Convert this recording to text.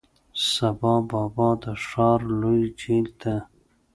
سبا بابا د ښار لوی جیل ته،